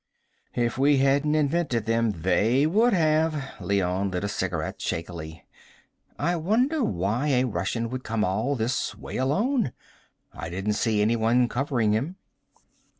"If we hadn't invented them, they would have." Leone lit a cigarette shakily. "I wonder why a Russian would come all this way alone. I didn't see anyone covering him."